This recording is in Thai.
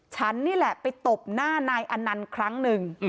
ฉันนี่แหละไปตบหน้านายอนันต์ครั้งหนึ่ง